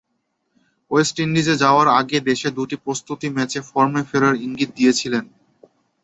West ইন্ডিজে যাওয়ার আগে দেশে দুটি প্রস্তুতি ম্যাচে ফর্মে ফেরার ইঙ্গিত দিয়েছিলেন।